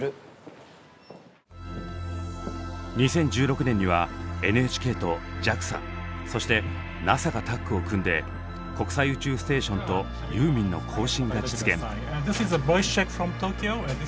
今日は２０１６年にはＮＨＫとＪＡＸＡそしてＮＡＳＡがタッグを組んで国際宇宙ステーションとユーミンの交信が実現！